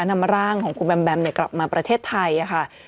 นำร่างของคุณแบมแบมกลับมาประเทศไทยค่ะ